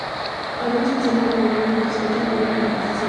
Algunos prisioneros murieron, mientras que otros huyeron en la confusión.